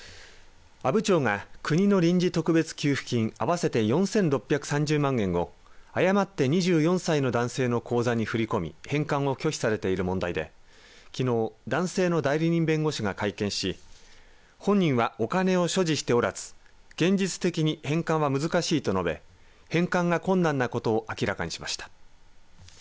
阿武町が、国の臨時特別給付金合わせて４６３０万円を誤って２４歳の男性の口座に振り込み返還を拒否されている問題できのう男性の代理人弁護士が会見し本人はお金を所持しておらず現実的に返還は難しいと述べ返還が困難なことを明らかにしました。